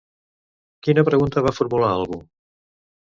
Quina pregunta va formular algú?